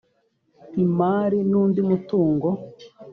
imari n undi mutungo